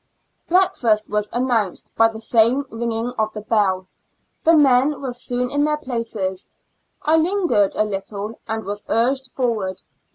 Breakfast was announced by the same rino'ino^ of the bell. The men were soon in their places ; I lingered a . little, " and was urged forward.